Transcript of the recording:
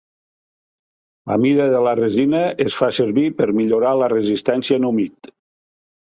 La mida de la resina es fa servir per millorar la resistència en humit.